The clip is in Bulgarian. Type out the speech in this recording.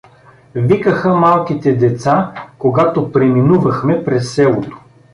Викаха малките деца, когато преминувахме през селото.